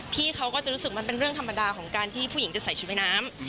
พี่เขาก็จะรู้สึกมันเป็นเรื่องธรรมดาของการที่ผู้หญิงจะใส่ชุดว่ายน้ำ